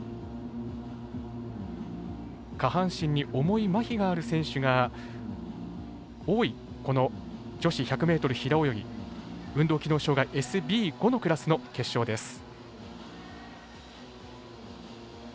下半身に重いまひがある選手が多い女子１００ｍ平泳ぎ運動機能障がいＳＢ５のクラスの決勝です。